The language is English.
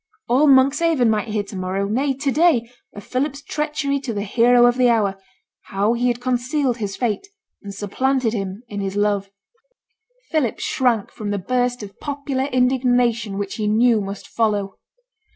All Monkshaven might hear tomorrow nay, to day of Philip's treachery to the hero of the hour; how he had concealed his fate, and supplanted him in his love. Philip shrank from the burst of popular indignation which he knew must follow.